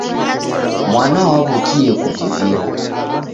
Mwana waw'okie kuvivira.